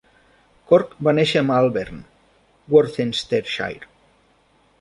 Corke va néixer a Malvern, Worcestershire.